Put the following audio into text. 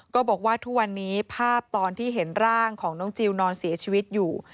ก็บอกว่าทุกวันนี้ภาพตอนที่เห็นร่างของน้องจิลนอนเสียชีวิตอยู่